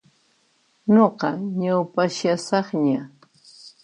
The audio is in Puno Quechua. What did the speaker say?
Nuqa ñaupashasaqña.